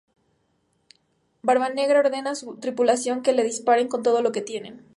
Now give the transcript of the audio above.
Barbanegra ordena a su tripulación que le disparen con todo lo que tienen.